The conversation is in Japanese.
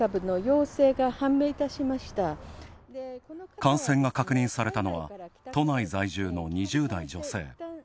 感染が確認されたのは、都内在住の２０代女性。